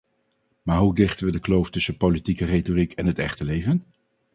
Maar hoe dichten we de kloof tussen politieke retoriek en het echte leven?